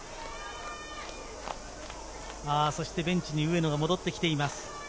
ベンチに上野が戻ってきています。